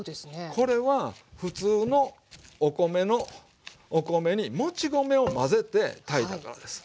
これは普通のお米にもち米を混ぜて炊いたからです。